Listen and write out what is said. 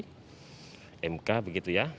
jadi mk begitu ya